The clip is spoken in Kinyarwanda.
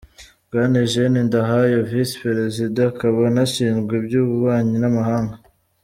Bwana Eugène Ndahayo, Visi Prezida, akaba anashinzwe iby’ububanyi n’amahanga.